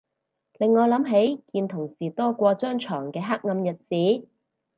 令我諗起見同事多過張牀嘅黑暗日子